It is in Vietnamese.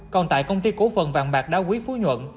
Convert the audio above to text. còn tại công ty cổ phần vàng bạc đa quý phú nhuận